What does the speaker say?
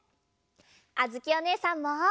あづきおねえさんも！